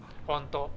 本当。